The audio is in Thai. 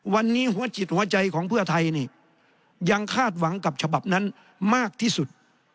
วันนี้หัวจิตหัวใจของเพื่อไทยนี่ยังคาดหวังกับฉบับนั้นมากที่สุด